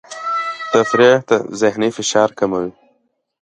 تفریح د ذهني فشار کموي.